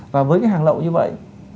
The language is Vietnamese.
và với hàng lậu như vậy